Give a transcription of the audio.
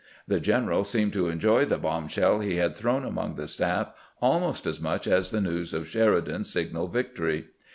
The general seemed to enjoy the bombshell he had thrown among the staff almost as much as the news of Sheridan's sig nal victory.